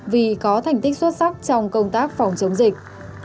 vì có thành tích xuất sắc trong công tác phòng chống dịch